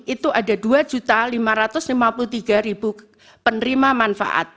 itu ada dua lima ratus lima puluh tiga penerima manfaat